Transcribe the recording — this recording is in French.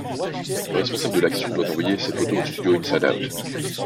Le responsable de l’action doit envoyer ces photos au studio Inside Out.